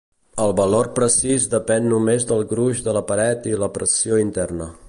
El valor precís depèn només del gruix de la paret i la pressió interna.